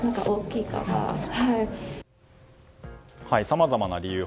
さまざまな理由。